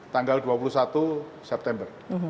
tanggal dua puluh satu september